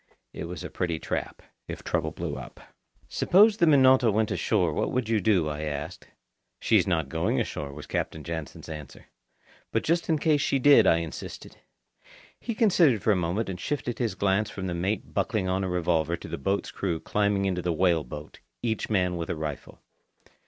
It was a pretty trap, if trouble blew up. "Suppose the Minota went ashore—what would you do?" I asked. "She's not going ashore," was Captain Jansen's answer. "But just in case she did?" I insisted. He considered for a moment and shifted his glance from the mate buckling on a revolver to the boat's crew climbing into the whale boat each man with a rifle.